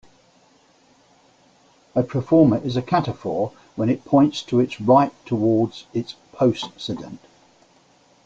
A proform is a cataphor when it points to its right toward its postcedent.